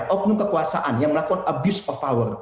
oknum kekuasaan yang melakukan kekuasaan kekuasaan